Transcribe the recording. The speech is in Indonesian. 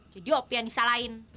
jadi opi yang disalahin